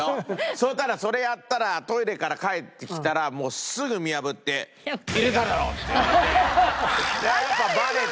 そしたらそれやったらトイレから帰ってきたらもうすぐ見破って「入れただろ」って言われてやっぱバレて。